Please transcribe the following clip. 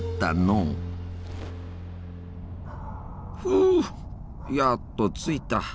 ふうやっと着いた。